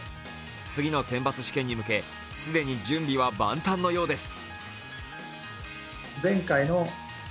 次の選抜試験に向け既に準備は万端のようです。